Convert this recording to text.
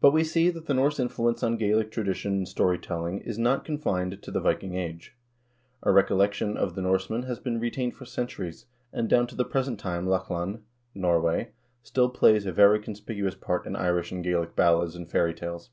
But we see that the Norse influ ence on Gaelic tradition and story telling is not confined to the Viking Age. A recollection of the Norsemen has been retained for centuries, and down to the present time Lochlann (Norway) still plays a very conspicuous part in Irish and Gaelic ballads and fairy tales."